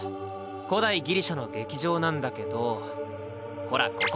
古代ギリシャの劇場なんだけどほらここ！